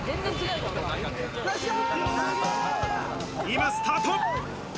今、スタート！